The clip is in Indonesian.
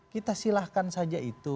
kita silahkan saja itu